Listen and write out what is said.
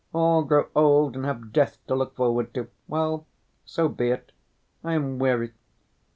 All grow old and have death to look forward to. Well, so be it! I am weary.